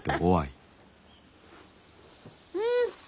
うん！